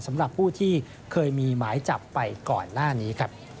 สำหรับผู้ที่เคยมีหมายจับไปก่อนหน้านี้ครับ